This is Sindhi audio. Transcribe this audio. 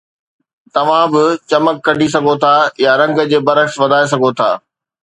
توهان به چمڪ ڪڍي سگهو ٿا يا رنگ جي برعڪس وڌائي سگهو ٿا